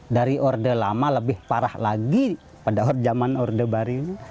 dari orde lama lebih parah lagi pada zaman orde baru